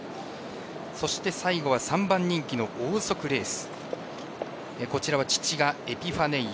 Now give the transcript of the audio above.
そして最後は３番人気のオーソクレース。